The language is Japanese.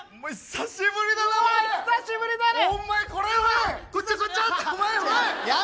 久しぶりだね。